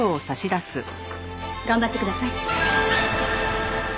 頑張ってください。